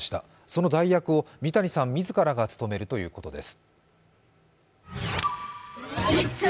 その代役を三谷さん自らが務めるということです。